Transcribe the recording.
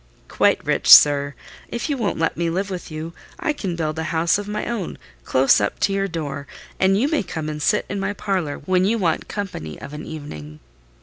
"Quite rich, sir. If you won't let me live with you, I can build a house of my own close up to your door, and you may come and sit in my parlour when you want company of an evening."